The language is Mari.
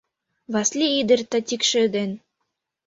Васли ӱдыр Татикше ден